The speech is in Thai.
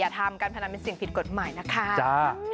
ทำการพนันเป็นสิ่งผิดกฎหมายนะคะ